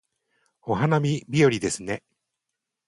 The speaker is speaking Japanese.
お花見日和ですね